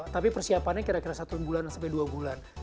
tapi persiapannya kira kira satu bulan sampai dua bulan